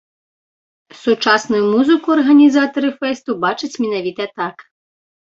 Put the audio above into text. Сучасную музыку арганізатары фэсту бачаць менавіта так.